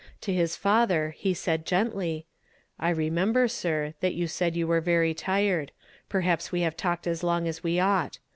To his father he said gently, " I remember, sir, that you said you were very tired ; perhaps we have talked as long as we ought.